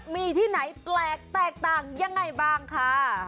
มีที่ไหนแปลกแตกต่างยังไงบ้างค่ะ